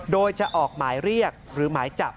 โดยจะออกหมายเรียกหรือหมายจับ